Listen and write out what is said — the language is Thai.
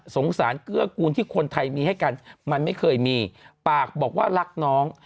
สารเกื้อกูลที่คนไทยมีให้กันมันไม่เคยมีปากบอกว่ารักน้อง